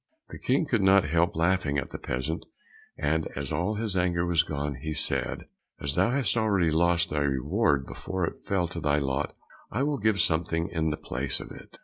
The King could not help laughing at the peasant, and as all his anger was gone, he said, "As thou hast already lost thy reward before it fell to thy lot, I will give thee something in the place of it.